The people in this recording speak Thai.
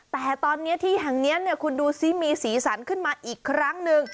แต่ตอนนี้ที่แห่งนี้คุณดูซิมีสีสันขึ้นมาอีกครั้งหนึ่ง